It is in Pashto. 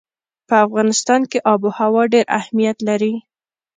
په افغانستان کې آب وهوا ډېر اهمیت لري.